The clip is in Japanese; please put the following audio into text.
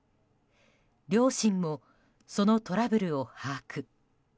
両親もそのトラブルを把握。